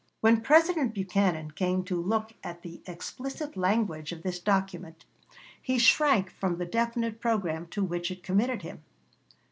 When President Buchanan came to look at the explicit language of this document, he shrank from the definite programme to which it committed him.